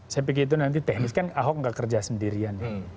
saya pikir itu nanti teknis kan ahok nggak kerja sendirian ya